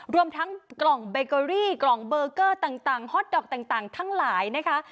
รวมทั้งกล่องเบเกอรี่กล่องเบอร์เกอร์ต่างฮอตดอกต่างทั้งหลายนะคะ